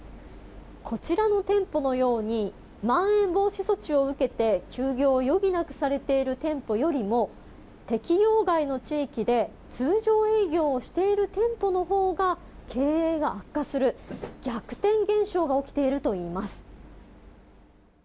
こちらの店舗のようにまん延防止措置を受けて休業を余儀なくされている店舗よりも適用外の地域で通常営業している店舗のほうが経営が悪化する逆転現象が起きているといいます。